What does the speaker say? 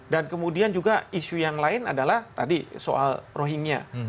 dan kemudian juga isu yang lain adalah tadi soal rohingya